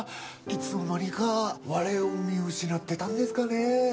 いつの間にか我を見失ってたんですかねえ。